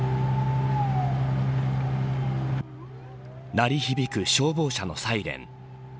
鳴り響く消防車のサイレン。